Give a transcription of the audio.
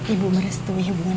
ibu merestui hubungan